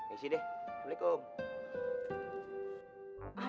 isi deh waalaikumsalam